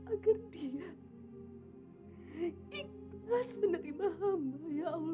agar dia ikhlas menerima hamba ya allah